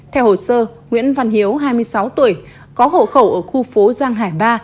theo hồ sơ nguyễn văn hiếu hai mươi sáu tuổi có hộ khẩu ở khu phố giang hải ba